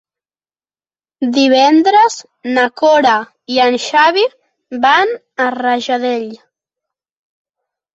Divendres na Cora i en Xavi van a Rajadell.